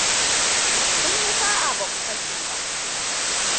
Kun yi sa'a ba ku fashe ba.